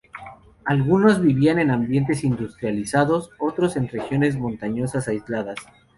Algunos vivían en ambientes industrializados, otros en regiones montañosas aisladas.